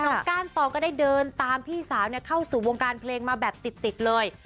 น้องก้านตองก็ได้เดินตามพี่สาวเนี่ยเข้าสู่วงการเพลงมาแบบติดติดเลย